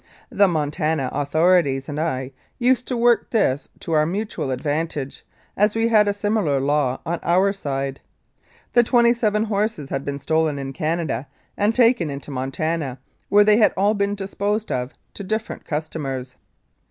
The Montana authori ties and I used to work this to our mutual advantage, as we had a similar law on our side. The twenty seven horses had been stolen in Canada and taken into Mon tana, where they had all been disposed of to different customers.